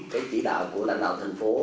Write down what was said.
cái chỉ đạo của lãnh đạo thành phố